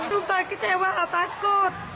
numpah kecewa takut